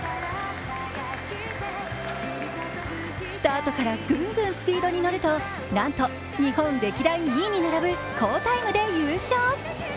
スタートからぐんぐんスピードに乗ると、なんと、日本歴代２位に並ぶ好タイムで優勝。